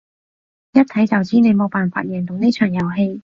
一睇就知你冇辦法贏到呢場遊戲